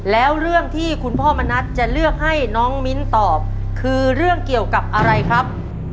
แล้วเรื่องที่คุณพ่อมณัฐจะเลือกให้น้องมิ้นตอบคือเรื่องเกี่ยวกับอะไรครับ